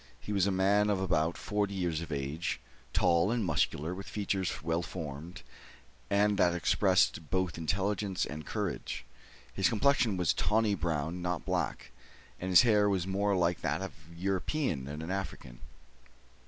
He was a man of about forty years of age, tall and muscular, with features well formed, and that expressed both intelligence and courage. His complexion was tawny brown, not black; and his hair was more like that of a European than an African.